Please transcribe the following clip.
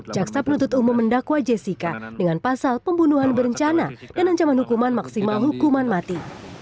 jaksa penuntut umum mendakwa jessica dengan pasal pembunuhan berencana dan ancaman hukuman maksimal hukuman mati